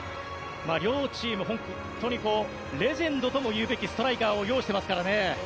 両チーム、本当にレジェンドともいうべきストライカーを用意していますからね。